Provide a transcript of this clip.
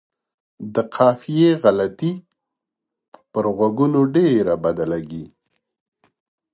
د قافیې غلطي پر غوږونو ډېره بده لګي.